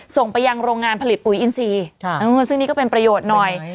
ส่งไปยังโรงงานผลิตปุ๋ยอินทรีย์ซึ่งนี่ก็เป็นประโยชน์หน่อย